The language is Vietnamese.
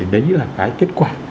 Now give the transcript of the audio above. đấy là cái kết quả